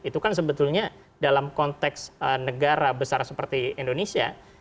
itu kan sebetulnya dalam konteks negara besar seperti indonesia